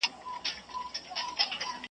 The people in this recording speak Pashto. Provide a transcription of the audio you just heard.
لکه چرګ په ډېران مه وایه بانګونه .